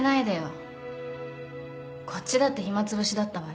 こっちだって暇つぶしだったわよ。